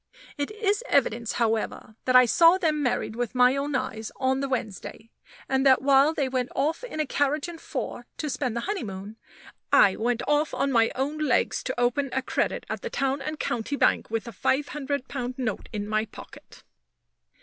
It is evidence, however, that I saw them married with my own eyes on the Wednesday; and that while they went off in a carriage and four to spend the honeymoon, I went off on my own legs to open a credit at the Town and County Bank with a five hundred pound note in my pocket.